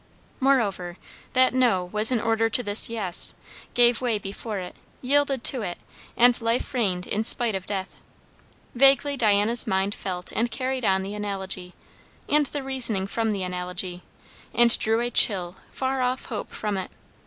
Moreover, that "No" was in order to this "Yes;" gave way before it, yielded to it; and life reigned in spite of death. Vaguely Diana's mind felt and carried on the analogy, and the reasoning from analogy, and drew a chill, far off hope from it.